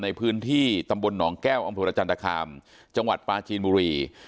ในพื้นที่ตำบลหนองแก้วอำเภอรจันตคามจังหวัดปลาจีนบุรี